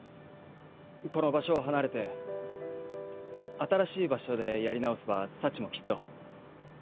この場所を離れて新しい場所でやり直せば幸もきっと。